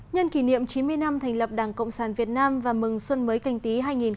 nhân kỷ niệm chín mươi năm thành lập đảng cộng sản việt nam và mừng xuân mới canh tí hai nghìn hai mươi